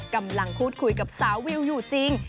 กำลังพูดคุยกับสาววิวอยู่จริง